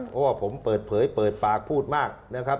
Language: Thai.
เพราะว่าผมเปิดเผยเปิดปากพูดมากนะครับ